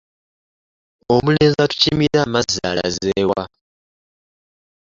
Omulenzi atukimira ku mazzi alaze wa?